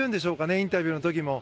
インタビューの時も。